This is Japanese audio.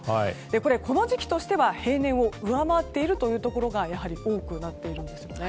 この時期としては平年を上回っているというところがやはり、多くなっているんです。